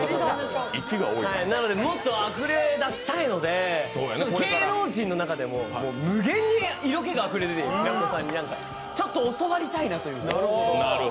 なので、もっとあふれ出したいので芸能人の中でも無限に色気があふれ出ている平子さんにちょっと教わりたいなと。